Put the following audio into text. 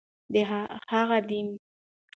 هغه د مچ مشهور جیل کې ونیول شو.